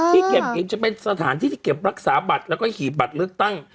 เก็บกิมจะเป็นสถานที่ที่เก็บรักษาบัตรแล้วก็หีบบัตรเลือกตั้ง